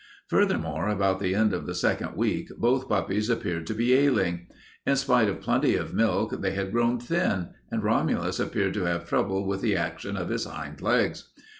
Furthermore, about the end of the second week, both puppies appeared to be ailing. In spite of plenty of milk they had grown thin, and Romulus appeared to have trouble with the action of his hind legs.